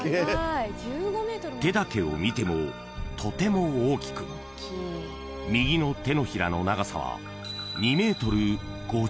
［手だけを見てもとても大きく右の手のひらの長さは］